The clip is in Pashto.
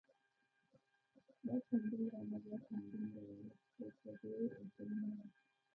بس همدومره؟ عملیات همدومره و؟ هو، په دې اوسني حالت کې.